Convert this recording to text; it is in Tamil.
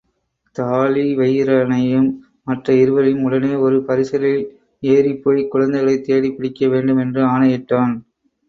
தாழிவயிறனையும் மற்ற இருவரையும் உடனே ஒரு பரிசலில் ஏறிப்போய்க் குழந்தைகளைத் தேடிப் பிடிக்க வேண்டுமென்றும் ஆணையிட்டான்.